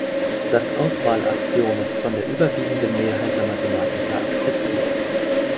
Das Auswahlaxiom ist von der überwiegenden Mehrheit der Mathematiker akzeptiert.